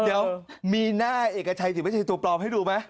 เดี๋ยวมีหน้าเอกชัยสิไม่ใช่ตัวปลอมให้ดูไหม